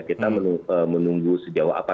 kita menunggu sejauh apa